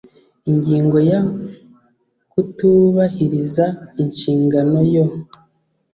Ingingo ya Kutubahiriza inshingano yo